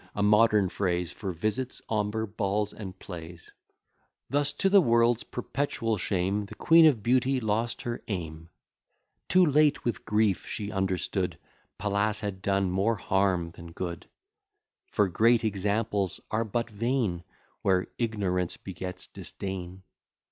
a modern phrase For visits, ombre, balls, and plays.) Thus, to the world's perpetual shame, The Queen of Beauty lost her aim; Too late with grief she understood Pallas had done more harm than good; For great examples are but vain, Where ignorance begets disdain.